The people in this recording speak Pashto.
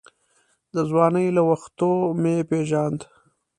د ځوانۍ له وختو مې پېژاند.